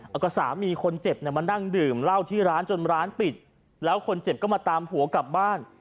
แล้วก็สามีคนเจ็บเนี่ยมานั่งดื่มเหล้าที่ร้านจนร้านปิดแล้วคนเจ็บก็มาตามผัวกลับบ้าน